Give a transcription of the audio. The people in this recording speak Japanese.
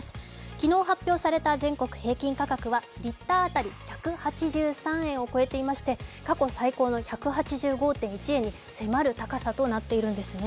昨日発表された全国平均価格はリッター当たり１８３円を超えていまして、過去最高の１８５．１円に迫る勢いとなっているんですね。